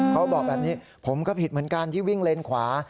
เขาบอกแบบนี้ผมก็ผิดเหมือนกันที่วิ่งเลนขวา